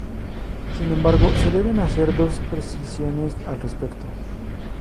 Sin embargo, se deben hacer dos precisiones al respecto.